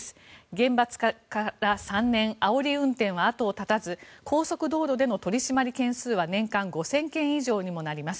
厳罰化から３年あおり運転は後を絶たず高速道路での取り締まり件数は年間５０００件以上にも上ります。